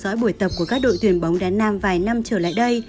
trong buổi tập của các đội tuyển bóng đá nam vài năm trở lại đây